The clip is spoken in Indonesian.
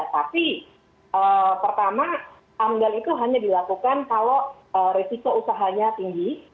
tapi pertama amdal itu hanya dilakukan kalau resiko usahanya tinggi